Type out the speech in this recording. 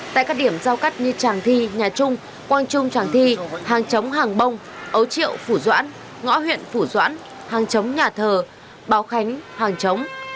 tại các điểm giao cắt như tràng thi nhà trung quang trung tràng thi hàng chống hàng bông ấu triệu phủ doãn ngõ huyện phủ doãn hàng chống nhà thờ báo khánh hàng chống